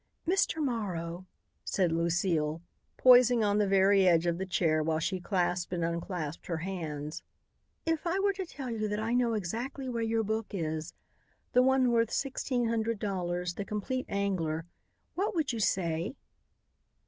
"Mr. Morrow," said Lucile, poising on the very edge of the chair while she clasped and unclasped her hands, "if I were to tell you that I know exactly where your book is, the one worth sixteen hundred dollars; the Compleat Angler, what would you say?"